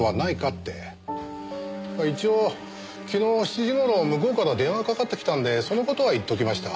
一応昨日の７時頃向こうから電話がかかってきたんでその事は言っときました。